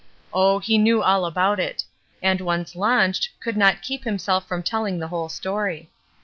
Oh, he knew all about it; and once launched, could not keep himself from telUng the whole story.